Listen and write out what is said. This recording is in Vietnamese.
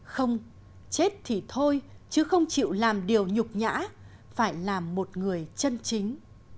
không chết thì thôi chứ không chịu làm điều nhã phải làm một người chân chính